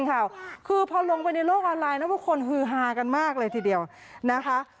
ค่ะคือพอลงไปในโลกออนไลน์นะว่าคนฮือฮากันมากเลยทีเดียวนะคะ